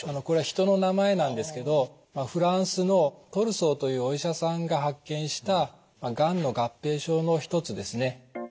これは人の名前なんですけどフランスのトルソーというお医者さんが発見したがんの合併症のひとつですね。